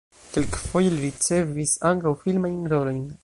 Kelkfoje li ricevis ankaŭ filmajn rolojn.